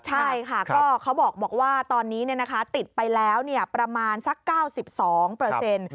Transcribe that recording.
ใช่ค่ะก็เขาบอกว่าตอนนี้ติดไปแล้วประมาณสัก๙๒เปอร์เซ็นต์